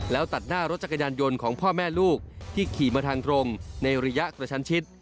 แล้วตัดหน้ารถจักรยานยนต์ของพ่อแม่ลูกที่ขี่มาทางตรงในระยะกระชันชิด